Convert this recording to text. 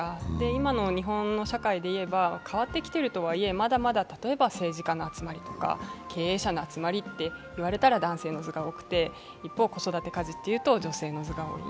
今の日本の社会でいえば変わってきているとはいえ、まだまだ例えば政治家の集まりとか経営者の集まりって言われたら男性の図が多くて、一方、子育て・家事というと女性の図が多い。